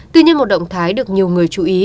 tuy nhiên một động thái được nhiều người chú ý